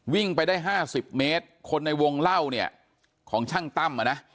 วิ่งไปได้๕๐เมตรคนในวงเล่าเนี่ยของช่างตั้มอ่ะนะ